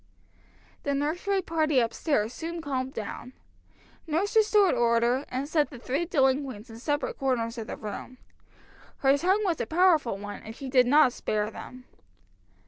The nursery party up stairs soon calmed down. Nurse restored order, and set the three delinquents in separate corners of the room. Her tongue was a powerful one, and she did not spare them.